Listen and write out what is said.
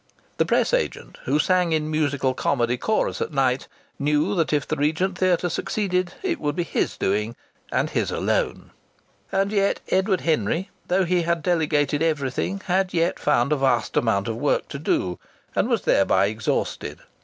The press agent, who sang in musical comedy chorus at night, knew that if the Regent Theatre succeeded it would be his doing and his alone. And yet Edward Henry, though he had delegated everything, had yet found a vast amount of work to do; and was thereby exhausted.